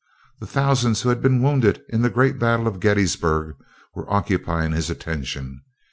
The thousands who had been wounded in the great battle of Gettysburg were occupying his attention.